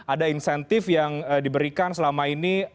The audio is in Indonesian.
ada insentif yang diberikan selama ini